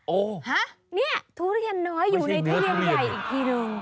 โอ้โหฮะเนี่ยทุเรียนน้อยอยู่ในที่เรียนใหญ่อีกทีนึง